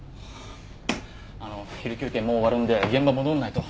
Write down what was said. あの昼休憩もう終わるんで現場戻らないと。